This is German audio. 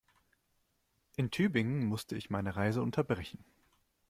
In Tübingen musste ich meine Reise unterbrechen